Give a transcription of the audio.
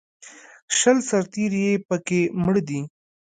شل سرتېري یې په کې مړه دي